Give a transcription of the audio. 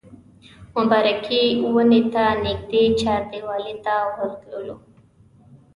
مبارکې ونې ته نږدې چاردیوالۍ ته ورتللو.